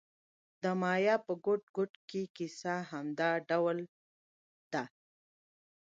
د مایا په ګوټ ګوټ کې کیسه همدا ډول ده.